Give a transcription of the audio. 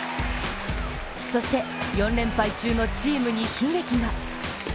そして４連敗中のチームに悲劇が。